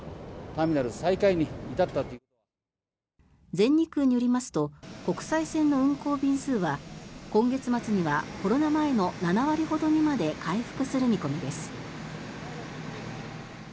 全日空によりますと国際線の運航便数は今月末にはコロナ前の７割ほどにまで回復する見込みです。